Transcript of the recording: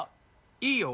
いいよ。